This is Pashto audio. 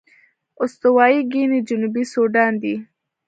استوايي ګيني جنوبي سوډان دي.